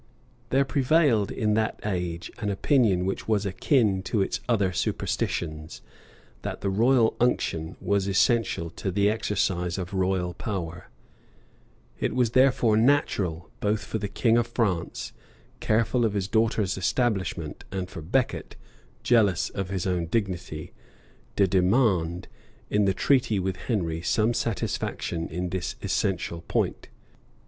There prevailed in that age an opinion which was akin to its other superstitions, that the royal unction was essential to the exercise of royal power: it was therefore natural, both for the king of France, careful of his daughter's establishment and for Becket, jealous of his own dignity, to demand, in the treaty with Henry, some satisfaction in this essential point.